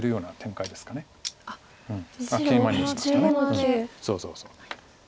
そうそうそう。